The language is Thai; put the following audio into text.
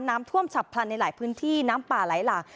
น้ำท่วมฉับพลันในหลายพื้นที่น้ำป่าไหลหลาก